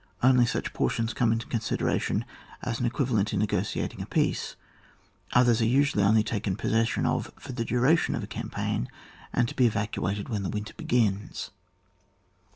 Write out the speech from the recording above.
Only such portions come into consideration as an equivalent in negotiating a peace, others are usually only taken possession of for the duration of a campaign, and to be evacuated when winter begins.